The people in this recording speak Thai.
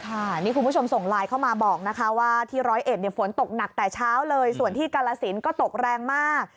นี่คุณผู้ชมส่งไลน์เข้ามาบอกนะคะว่าที่ร้อยเอ็ดฝนตกหนักแต่เช้าเลยส่วนที่กาลสินก็ตกแรงมาก